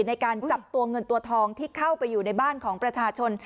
ในการจับตัวเงินตัวทองที่เข้าไปอยู่ในบ้านของประชาชน